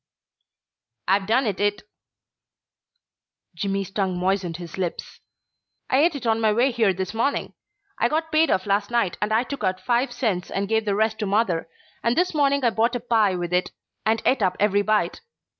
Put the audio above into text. "I've done et it " Jimmy's tongue moistened his lips. "I et it on my way here this morning. I got paid off last night and I took out five cents and gave the rest to mother, and this morning I bought a pie with it and et up every bite.